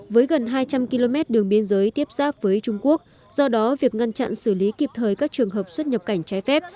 với gần hai trăm linh km đường biên giới tiếp xác với trung quốc do đó việc ngăn chặn xử lý kịp thời các trường hợp xuất nhập cảnh trái phép